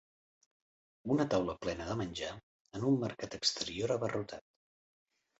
Una taula plena de menjar en un mercat exterior abarrotat.